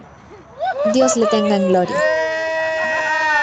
dios le tenga en Gloria.